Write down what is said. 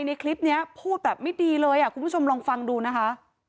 ในคลิปนี้พูดแบบไม่ดีเลยคุณผู้ชมลองฟังดูนะคะ